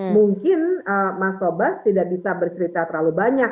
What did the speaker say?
mungkin mas tobas tidak bisa bercerita terlalu banyak